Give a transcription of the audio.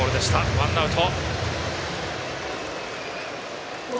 ワンアウト。